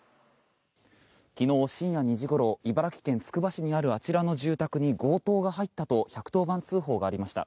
昨日、深夜２時ごろ茨城県つくば市にあるあちらの住宅に強盗が入ったと１１０番通報がありました。